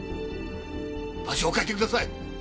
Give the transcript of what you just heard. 場所を変えてください。